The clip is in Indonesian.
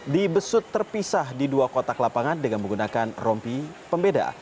dibesut terpisah di dua kotak lapangan dengan menggunakan rompi pembeda